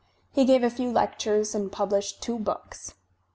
He gave a few lectures and published two books.